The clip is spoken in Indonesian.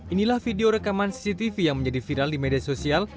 inilah video rekaman cctv yang menjadi viral di media sosial